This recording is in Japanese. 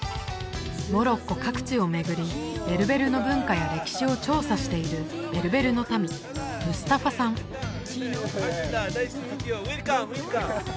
モロッコ各地を巡りベルベルの文化や歴史を調査しているベルベルの民ムスタファさんナイストゥミートユーウエルカムウエルカム！